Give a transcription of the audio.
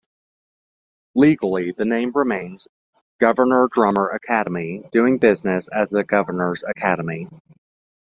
Legally the name remains "Governor Dummer Academy", doing business as "The Governor's Academy".